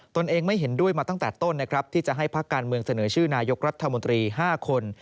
ตัวเองไม่เห็นด้วยมาตั้งแต่ต้นนะครับที่จะให้พักการเมืองเสนอชื่อนายกรัฐมนตรี๕คน